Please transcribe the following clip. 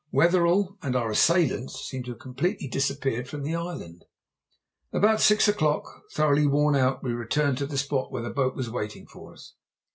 Wetherell and our assailants seemed to have completely disappeared from the island. About six o'clock, thoroughly worn out, we returned to the spot where the boat was waiting for us.